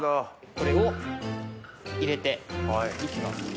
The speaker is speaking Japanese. これを入れていきます。